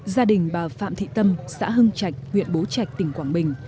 gia đình bà phạm thị tâm xã hưng trạch huyện bố trạch tỉnh quảng bình